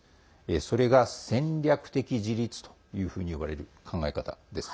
それが戦略的自立というふうに呼ばれる考え方です。